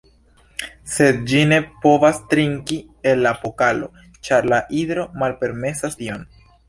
Sed ĝi ne povas trinki el la Pokalo, ĉar la Hidro malpermesas tion.